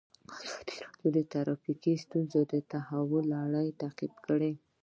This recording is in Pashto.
ازادي راډیو د ټرافیکي ستونزې د تحول لړۍ تعقیب کړې.